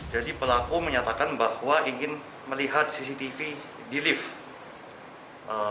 jadi pelaku menyatakan bahwa ingin melihat cctv di lift